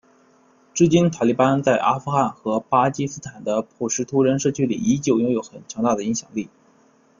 至今塔利班在阿富汗和巴基斯坦的普什图人社区里依旧拥有很强大的影响力。